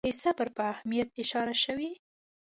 د صبر پر اهمیت اشاره شوې.